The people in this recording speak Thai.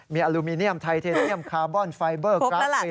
มีอลูมิเนียมไทเทเนียมคาร์บอนไฟเบอร์กราฟฟี